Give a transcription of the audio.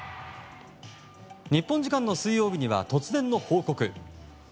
日本時間の水曜日には突然の報告。